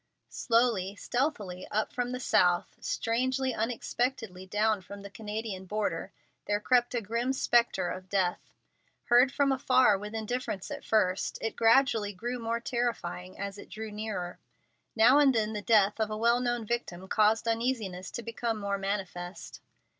Slowly, stealthily, up from the south; strangely, unexpectedly, down from the Canadian border, there crept a grim spectre of death. Heard of from afar with indifference at first, it gradually grew more terrifying as it drew nearer. Now and then the death of a well known victim caused uneasiness to become more manifest.